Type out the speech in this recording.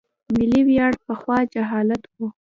ملي ویاړ پخوا جهالت و.